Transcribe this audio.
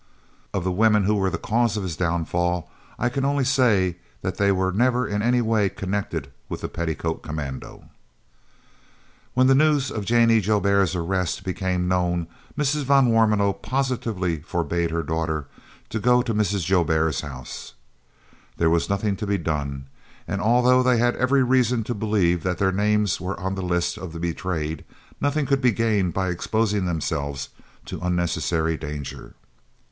Of the women who were the cause of his downfall I can only say that they were never in any way connected with the "Petticoat Commando." When the news of Jannie Joubert's arrest became known, Mrs. van Warmelo positively forbade her daughter to go to Mrs. Joubert's house. There was nothing to be done, and although they had every reason to believe that their names were on the list of the betrayed, nothing could be gained by exposing themselves to unnecessary danger.